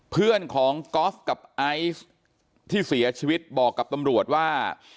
เพื่อนของก๊อฟกับไอซ์ที่เสียชีวิตบอกกับตำรวจว่า